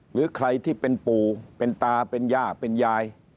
หรือใครที่เป็นปู่เป็นตาเป็นย่าเป็นยาย